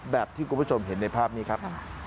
แบบที่คุณผู้ชมเห็นในภาพนี้ครับ